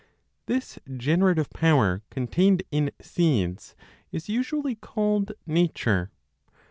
This generative power contained in seeds is usually called "nature."